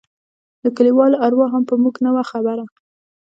د کليوالو اروا هم په موږ نه وه خبره.